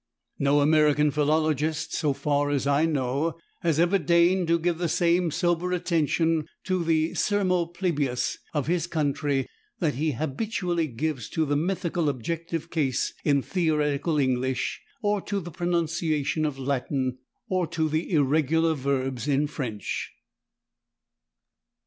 No American philologist, so far as I know, has ever deigned to give the same sober attention to the /sermo plebeius/ of his country that he habitually gives to the mythical objective case in theoretical English, or to the pronunciation of Latin, or to the irregular verbs in French.